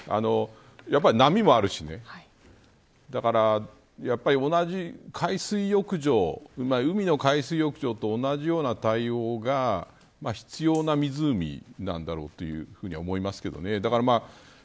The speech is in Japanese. やっぱり波もあるし同じ海水浴場海の海水浴場と同じような対応が必要な湖なんだろうというふうに思いますけどね。